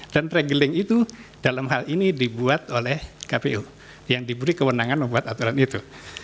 dan regeling itu dalam hal ini dibuat oleh kpu yang diberi kewenangan membuat aturan itu